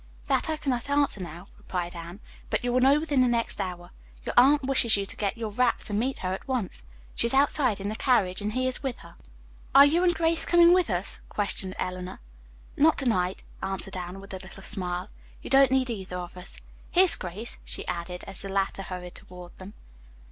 "That I cannot answer now," replied Anne, "but you will know within the next hour. Your aunt wishes you to get your wraps and meet her at once. She is outside in the carriage and he is with her." "Are you and Grace coming with us?" questioned Eleanor. "Not to night," answered Anne, with a little smile. "You don't need either of us. Here's Grace," she added, as the latter hurried toward them.